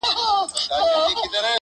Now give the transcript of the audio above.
• عاقبت به خپل تاریخ ته مختورن یو ,